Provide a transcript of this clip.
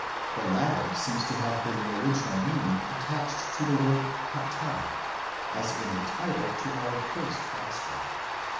The latter 'seems to have been the original meaning attached to the word κατὰ ; as in the title to our first Gospel.!